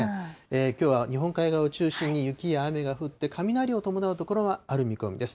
きょうは日本海側を中心に雪や雨が降って、雷を伴う所がある見込みです。